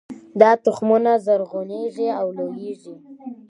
دا تخمونه زرغونیږي او لوییږي